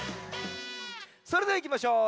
それではいきましょう。